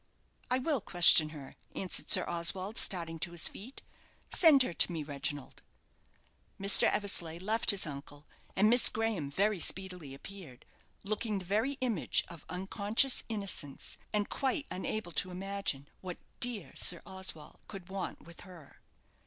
"I will question her," answered sir Oswald, starting to his feet. "Send her to me, Reginald." Mr. Eversleigh left his uncle, and Miss Graham very speedily appeared looking the very image of unconscious innocence and quite unable to imagine what "dear Sir Oswald" could want with her.